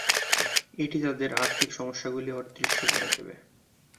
এটি তাদের আর্থিক সমস্যাগুলি অদৃশ্য করে দেবে।